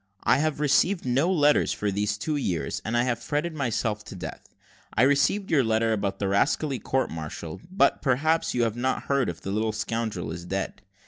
I have received no letters for these two years, and I have fretted myself to death. I received your letter about the rascally court martial; but, perhaps, you have not heard that the little scoundrel is dead.